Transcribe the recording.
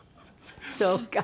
そうか。